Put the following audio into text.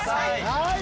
はい！